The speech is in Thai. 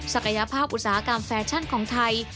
ศักยภาพอุตสาหกรรมแฟชั่นของไทย